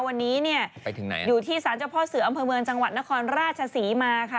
วันนี้อยู่ที่สรรจพศอำเภอเมืองจังหวัดนครราชสีมาค่ะ